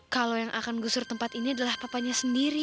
kalau yang akan gusur tempat ini adalah papanya sendiri